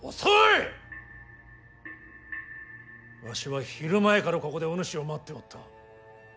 わしは昼前からここでおぬしを待っておった。